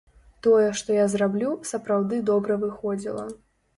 Тое, што я зраблю, сапраўды добра выходзіла.